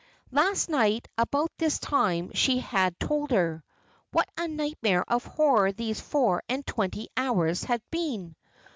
Last night about this time she had told her. What a nightmare of horror these four and twenty hours had been!